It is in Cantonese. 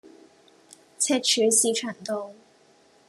赤柱市場道